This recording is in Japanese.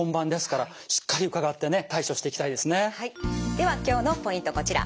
では今日のポイントこちら。